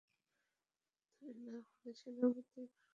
তুমি তা হলে সেনাপতির ভার গ্রহণ করো, আমি একটু অন্তরালে থাকতে ইচ্ছা করি।